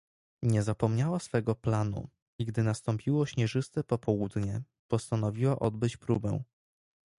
"Nie zapomniała swego planu, i gdy nastąpiło śnieżyste popołudnie, postanowiła odbyć próbę."